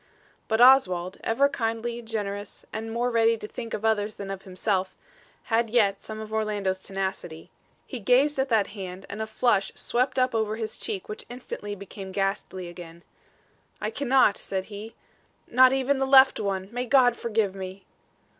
But Oswald, ever kindly, generous and more ready to think of others than of himself, had yet some of Orlando's tenacity. He gazed at that hand and a flush swept up over his cheek which instantly became ghastly again. "I cannot," said he "not even the left one. May God forgive me!"